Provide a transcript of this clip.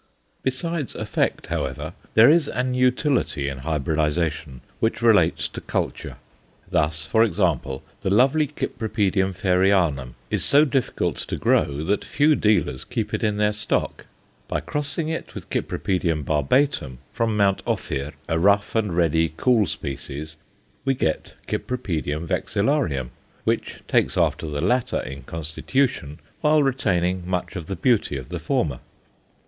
Besides effect, however, there is an utility in hybridization which relates to culture. Thus, for example, the lovely Cypripedium Fairieanum is so difficult to grow that few dealers keep it in their stock; by crossing it with Cyp. barbatum, from Mount Ophir, a rough and ready cool species, we get Cyp. vexillarium, which takes after the latter in constitution while retaining much of the beauty of the former.